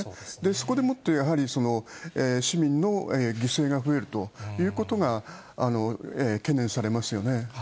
そこでもって、やはり市民の犠牲が増えるということが懸念されますよね。